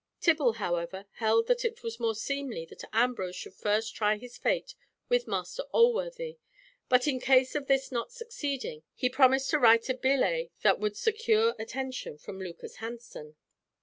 Tibble, however, held that it was more seemly that Ambrose should first try his fate with Master Alworthy, but in case of this not succeeding, he promised to write a billet that would secure attention from Lucas Hansen.